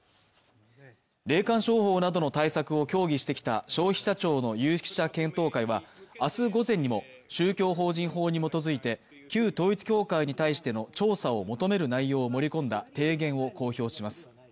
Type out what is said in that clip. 霊感商法などの対策を協議してきた消費者庁の有識者検討会は明日午前にも宗教法人法に基づいて、旧統一教会に対しての調査を求める内容を盛り込んだ提言を公表します。